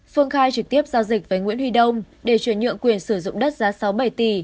phương khai trực tiếp giao dịch với nguyễn huy đông để chuyển nhượng quyền sử dụng đất giá sáu bảy tỷ